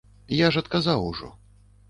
Я ж адказаў ужо.